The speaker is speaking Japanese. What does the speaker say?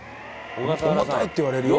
重たいって言われるよ。